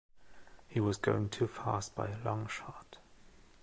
He was going too fast by a long shot.